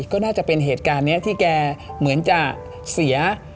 ก็น่าจะเป็นเหตุการณ์นี้ที่แกเหมือนจะเสีย